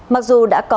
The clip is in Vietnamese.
mặc dù đã có